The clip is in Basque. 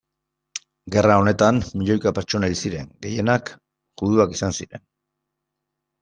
Gerra honetan milioika pertsona hil ziren, gehienak juduak izan ziren.